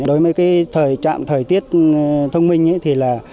đối với cái trạm thời tiết thông minh thì là